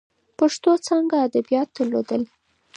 پښتو څانګه ادبیات درلودل.